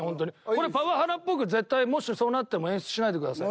これパワハラっぽく絶対もしそうなっても演出しないでください。